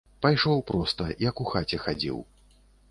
Пайшоў проста, як у хаце хадзіў.